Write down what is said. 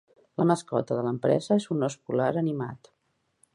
La mascota de l'empresa és un os polar animat.